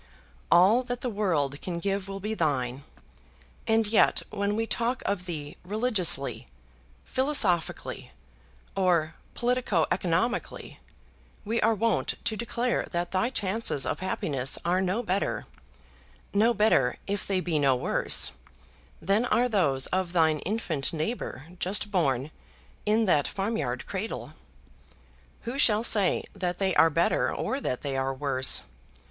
All that the world can give will be thine; and yet when we talk of thee religiously, philosophically, or politico economically, we are wont to declare that thy chances of happiness are no better, no better, if they be no worse, than are those of thine infant neighbour just born, in that farmyard cradle. Who shall say that they are better or that they are worse?